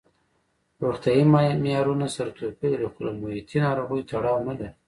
روغتیايي معیارونه سره توپیر لري خو له محیطي ناروغیو تړاو نه لري.